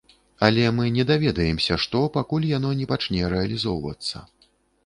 Але мы не даведаемся, што, пакуль яно не пачне рэалізоўвацца.